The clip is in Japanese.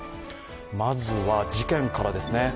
まずは、事件からですね。